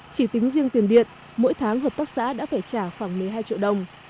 chỉ tính riêng tiền điện mỗi tháng hợp tác xã đã phải trả khoảng một mươi hai triệu đồng